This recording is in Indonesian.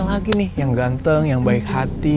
laki nih yang ganteng yang baik hati